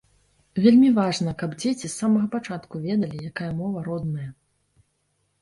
Вельмі важна, каб дзеці з самага пачатку ведалі, якая мова родная.